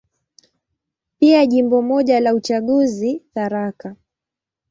Pia Jimbo moja la uchaguzi, Tharaka.